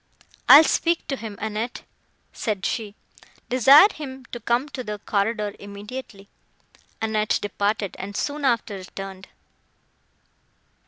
"I will speak to him, Annette," said she; "desire him to come to the corridor immediately." Annette departed, and soon after returned.